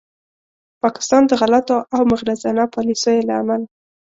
پاکستان د غلطو او مغرضانه پالیسیو له امله